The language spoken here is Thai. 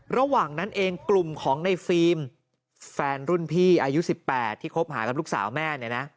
ระหว่างนั้นเองกลุ่มของในฟิล์มแฟนรุ่นพี่อายุ๑๘ที่คบหากับลูกสาวแม่เนี่ยนะ